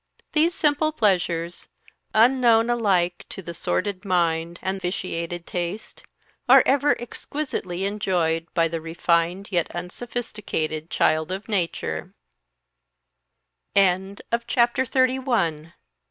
These simple pleasures, unknown alike to the sordid mind and vitiated taste, are ever exquisitely enjoyed by the refined yet unsophisticated child of nature.